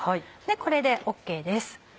これでＯＫです。